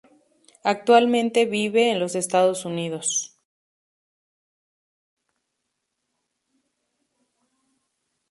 Actualmente vive en los Estados Unidos.